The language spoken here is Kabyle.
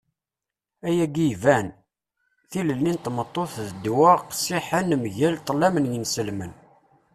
Ayagi iban. Tilelli n tmeṭṭut d ddwa qqessiḥen mgal ṭṭlam n yinselmen.